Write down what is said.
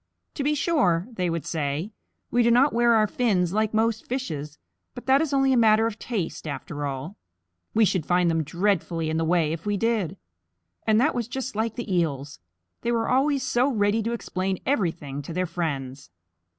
"To be sure," they would say, "we do not wear our fins like most fishes, but that is only a matter of taste after all. We should find them dreadfully in the way if we did." And that was just like the Eels they were always so ready to explain everything to their friends.